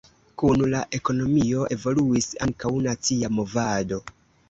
Kun la ekonomio evoluis ankaŭ nacia movado.